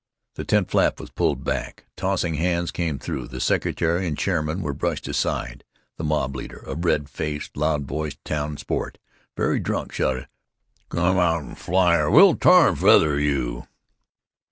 The tent flap was pulled back. Tossing hands came through. The secretary and chairman were brushed aside. The mob leader, a red faced, loud voiced town sport, very drunk, shouted, "Come out and fly or we'll tar and feather you!"